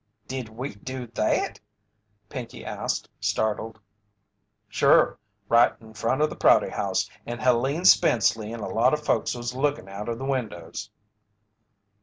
"Did we do that?" Pinkey asked, startled. "Sure right in front of the Prouty House, and Helene Spenceley and a lot of folks was lookin' out of the windows."